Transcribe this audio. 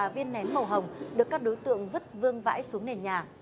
viên nén màu hồng được các đối tượng vứt vương vãi xuống nền nhà